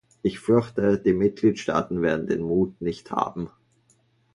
Ich fürchte, die Mitgliedstaaten werden den Mut nicht haben.